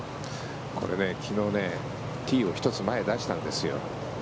これ、昨日ティーを１つ前に出したんですよ。